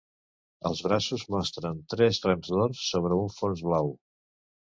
Els braços mostren tres rems d'or sobre un fons blau.